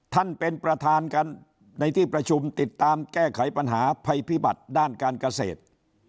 ท่านประธานเป็นประธานกันในที่ประชุมติดตามแก้ไขปัญหาภัยพิบัติด้านการเกษตร